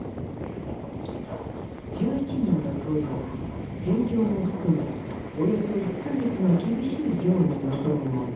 １１人の僧侶が前行も含めおよそ１か月の厳しい行に臨むもの。